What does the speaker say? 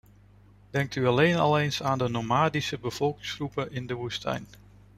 Denkt u alleen al eens aan de nomadische bevolkingsgroepen in de woestijn.